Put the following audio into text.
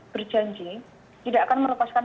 berjanji tidak akan melepaskan